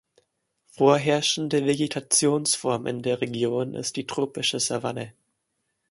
Vorherrschende Vegetationsform in der Region ist die tropische Savanne.